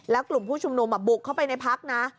แล้วกลุ่มผู้ชุมนุมบุกเข้าไปในพักนะ